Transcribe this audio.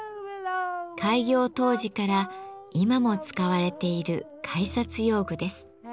開業当時から今も使われている改札用具です。